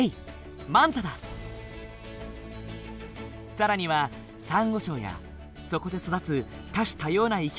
更にはサンゴ礁やそこで育つ多種多様な生き物たち。